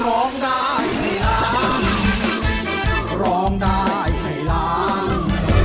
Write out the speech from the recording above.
ร้องได้ให้ล้านร้องได้ให้ล้าน